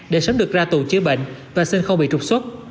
để sớm được ra tù chữa bệnh và xin không bị trục xuất